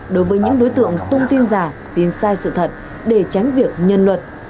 đối với những đối tượng tung tin giả tin sai sự thật để tránh việc nhân luật